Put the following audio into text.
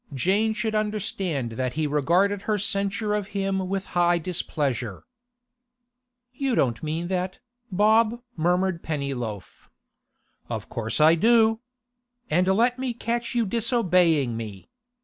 Jane should understand that he regarded her censure of him with high displeasure. 'You don't mean that, Bob?' murmured Pennyloaf. 'Of course I do. And let me catch you disobeying me!